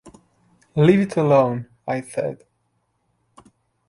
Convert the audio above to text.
Leave it alone, I said.